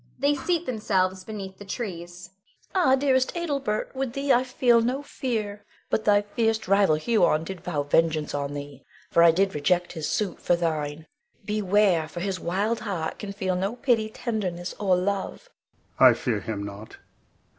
[They seat themselves beneath the trees. Bianca. Ah, dearest Adelbert, with thee I feel no fear, but thy fierce rival Huon did vow vengeance on thee, for I did reject his suit for thine. Beware! for his wild heart can feel no pity, tenderness, or love. Adel. I fear him not.